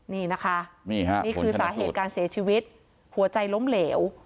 นี่นะคะนี่คือสาเหตุการเสียชีวิตหัวใจล้มเหลว